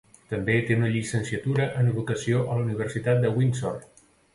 També té una llicenciatura en Educació de la Universitat de Windsor.